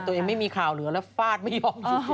ตัวเองไม่มีข่าวเหลือแล้วฟาดไม่ยอมอยู่